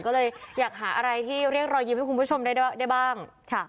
ก็เลยอยากหาอะไรที่เรียกรอยยิ้มให้คุณผู้ชมได้บ้าง